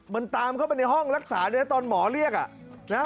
มันตามเข้าไปในห้องรักษาเนื้อตอนหมอเรียกอ่ะนะ